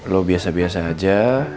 kamu biasa biasa saja